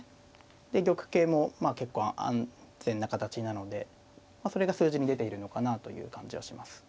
で玉形も結構安全な形なのでそれが数字に出ているのかなという感じはします。